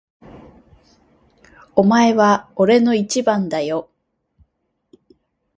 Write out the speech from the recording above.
お前は俺の一番だよ。